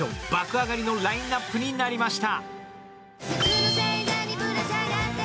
上がりのラインナップになりました。